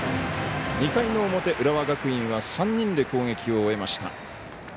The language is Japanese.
２回の表、浦和学院は３人で攻撃を終えました。